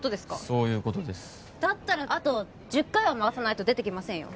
そういうことですだったらあと１０回は回さないと出てきませんよ